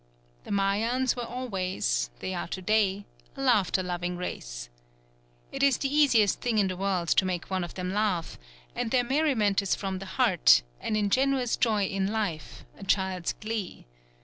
The Mayans were always they are to day a laughter loving race. It is the easiest thing in the world to make one of them laugh, and their merriment is from the heart, an ingenuous joy in life, a child's glee.